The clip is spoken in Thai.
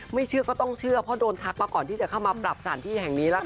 เชื่อก็ต้องเชื่อเพราะโดนทักมาก่อนที่จะเข้ามาปรับสถานที่แห่งนี้ล่ะค่ะ